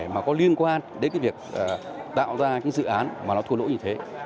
mà có liên quan đến việc tạo ra dự án mà nó thua lỗ như thế